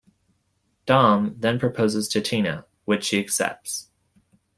Dom then proposes to Tina, which she accepts.